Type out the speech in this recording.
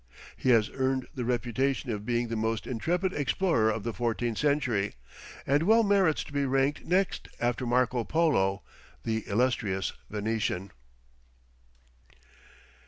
He has earned the reputation of being the most intrepid explorer of the fourteenth century, and well merits to be ranked next after Marco Polo, the illustrious Venetian.